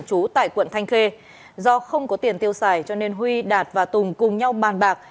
trú tại quận thanh khê do không có tiền tiêu xài cho nên huy đạt và tùng cùng nhau bàn bạc